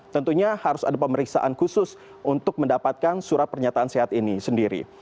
tentunya harus ada pemeriksaan khusus untuk mendapatkan surat pernyataan sehat ini sendiri